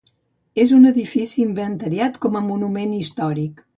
És un edifici inventariat com a monument històric.